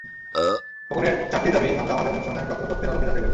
খোকনের চারটি দাবি আমরা আমাদের অনুসন্ধানে প্রাপ্ত তথ্যের আলোকে যাচাই করব।